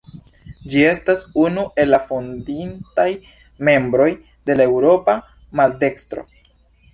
Ĝi estas unu el la fondintaj membroj de la Eŭropa Maldekstro.